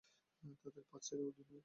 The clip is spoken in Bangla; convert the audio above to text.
তাদের পাঁচ ছেলে ও দুই মেয়ে।